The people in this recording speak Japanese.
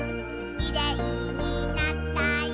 「きれいになったよ